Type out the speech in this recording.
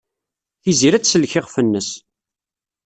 Tiziri ad tsellek iɣef-nnes.